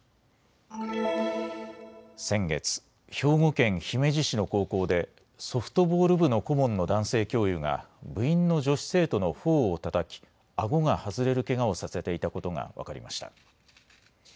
先月、兵庫県姫路市の高校でソフトボール部の顧問の男性教諭が部員の女子生徒のほおをたたきあごが外れるけがをさせていたことが分かりました。